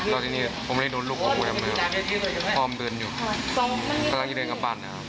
ตอนที่นี่ผมไม่ได้โดนลูกของผมอย่างไรครับพร้อมเดินอยู่กำลังที่เดินกลับบ้านนะครับ